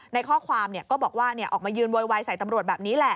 ในข้อความก็บอกว่าออกมายืนโวยวายใส่ตำรวจแบบนี้แหละ